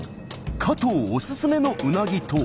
加藤おすすめのうなぎとは？